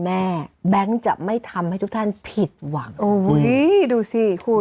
แบงค์จะไม่ทำให้ทุกท่านผิดหวังอุ้ยดูสิคุณ